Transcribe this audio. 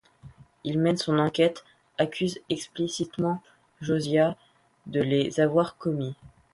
Il mène son enquête, accuse explicitement Josiah de les avoir commis.